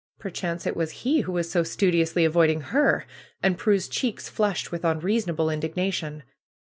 Perchance it was he who was so studiously avoiding her ! And Prue's cheeks flushed with unreasonable indignation.